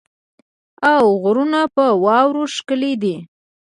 او غرونه په واوره ښکلې دي.